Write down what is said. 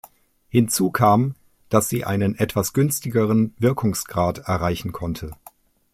Hinzu kam, dass sie einen etwas günstigeren Wirkungsgrad erreichen konnte.